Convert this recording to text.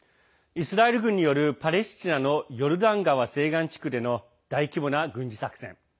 イスラエル軍によるパレスチナのヨルダン川西岸地区での大規模な軍事作戦。